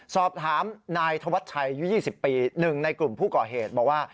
สอบถามนายธวัชชัยอายุ๒๐ปี๑ในกลุ่มผู้ก่อเหตุบอกว่า